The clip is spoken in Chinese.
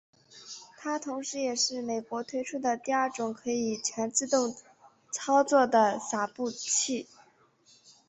它同时也是美国推出的第二种可以全自动操作的洒布器。